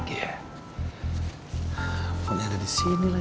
telepon yang ada disini lagi